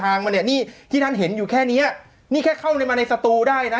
มาเนี่ยนี่ที่ท่านเห็นอยู่แค่เนี้ยนี่แค่เข้าเลยมาในสตูได้นะ